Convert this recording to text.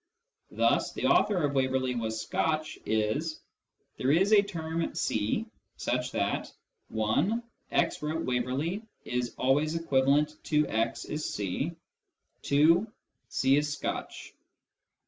Thus " the author of Waverley was Scotch " is :" There is a term c such that (1) ' x wrote Waverley ' is always equivalent to '* is c,' (2) c is Scotch."